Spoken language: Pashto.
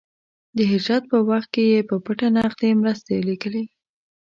د هجرت په وخت کې يې په پټه نغدې مرستې لېږلې.